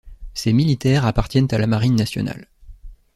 Ces militaires appartiennent à la marine nationale.